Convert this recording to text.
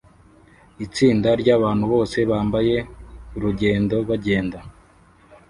Itsinda ryabantu bose bambaye urugendo bagenda